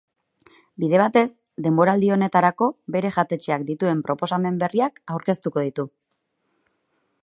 Bide batez, denboraldi honetarako bere jatetxeak dituen proposamen berriak aurkeztuko ditu.